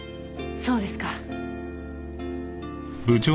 そうですか。